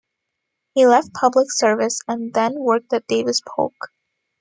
He left public service and then worked at Davis Polk.